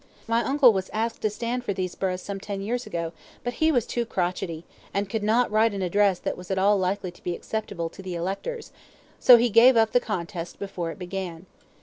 My uncle was asked to stand for these burghs some ten years ago, but he was too crotchety, and could not write an address that was at all likely to be acceptable to the electors, so he gave up the contest before it began.